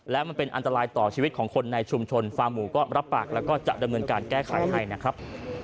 และมันเป็นอันตรายต่อชีวิตของคนในชุมชนฟาร์หมูก็รับปากแล้วก็จะดำเนินการแก้ไขให้นะครับ